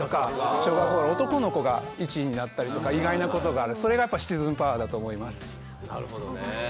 小学生の男の子が１位になったり意外なことがある、それがシチズンパワーだと思います。